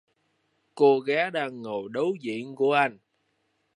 Cô gái đang ngồi đối diện của anh